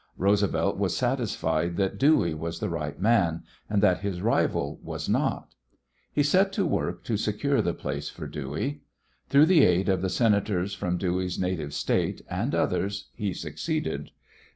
Roosevelt was satisfied that Dewey was the right man, and that his rival was not. He set to work to secure the place for Dewey. Through the aid of the Senators from Dewey's native State and others, he succeeded.